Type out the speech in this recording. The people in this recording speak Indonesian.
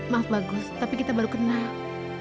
maaf bagus tapi kita baru kenal